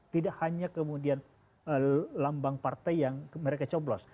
tidak hanya kemudian lambang partai yang mereka coblos